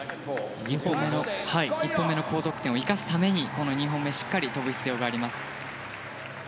１本目の高得点を生かすために２本目をしっかり跳ぶ必要があります。